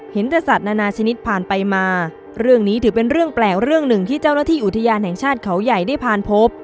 สัตว์นานาชนิดผ่านไปมาเรื่องนี้ถือเป็นเรื่องแปลกเรื่องหนึ่งที่เจ้าหน้าที่อุทยานแห่งชาติเขาใหญ่ได้ผ่านพบ